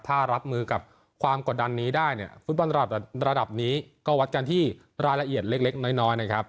ถ้ารับมือกับความกดดันนี้ได้เนี่ยฟุตบอลระดับนี้ก็วัดกันที่รายละเอียดเล็กน้อยนะครับ